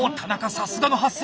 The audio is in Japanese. さすがの発声。